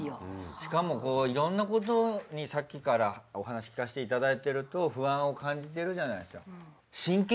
しかもこういろんなことにさっきからお話聞かせていただいてると不安を感じてるじゃないですか。